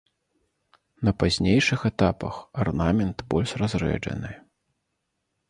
На пазнейшых этапах арнамент больш разрэджаны.